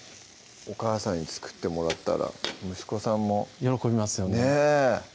お母さんに作ってもらったら息子さんも喜びますよねねぇ